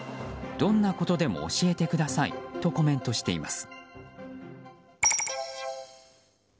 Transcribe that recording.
どんなことでも教えてくださいとコメントしています。